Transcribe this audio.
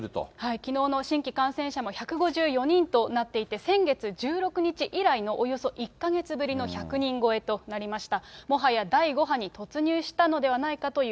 きのうの新規感染者も１５４人となっていて、先月１６日以来のおよそ１か月ぶりの１００人超えとなりました。